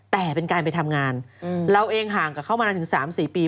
แต่เป็นการไปทำงานเราเองห่างกับเขามานานถึง๓๔ปี